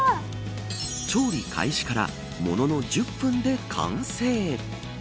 調理開始からものの１０分で完成。